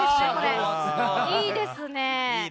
いいですね。